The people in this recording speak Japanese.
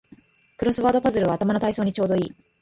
クロスワードパズルは頭の体操にちょうどいい